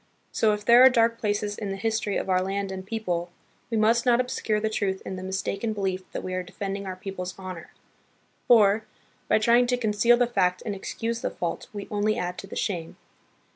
So if there are dark places in the history of our land and people, we must not obscure the truth in the mistaken belief that we are defending our people's honor, for, by trying to conceal the fact and ex cuse the fault, we only add to the shame.